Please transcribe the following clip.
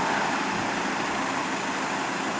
ต่อไปอย่างเงียบอย่างเงียบก็รู้ตัวเนี่ย